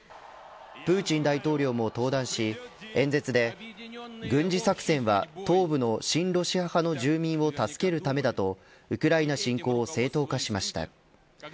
プーチン大統領も登壇し演説で軍事作戦は東部の親ロシア派の住民を助けるためだとウクライナ侵攻を正当化しました。